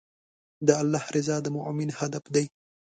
د الله رضا د مؤمن هدف دی.